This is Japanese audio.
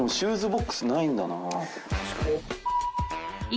確かに。